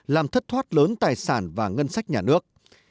làm thất thoát lớn tài sản và ngân sách nhà nước